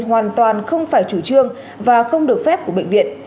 hoàn toàn không phải chủ trương và không được phép của bệnh viện